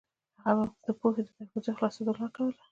هغې به د پوهې د دروازو خلاصېدو دعا کوله